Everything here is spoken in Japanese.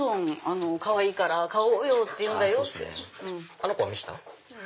あの子は見せた？